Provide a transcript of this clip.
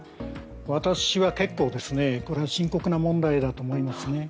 私は結構これは深刻な問題だと思いますね。